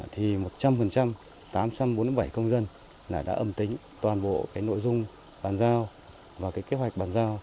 thì một trăm linh tám trăm bốn mươi bảy công dân đã âm tính toàn bộ nội dung bàn giao và cái kế hoạch bàn giao